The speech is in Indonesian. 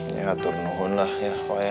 ya atur nuhun lah ya pak ya